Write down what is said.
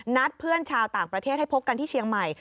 เพื่อนชาวต่างประเทศให้พบกันที่เชียงใหม่